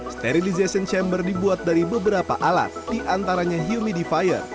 sterilization chamber dibuat dari beberapa alat diantaranya humidifier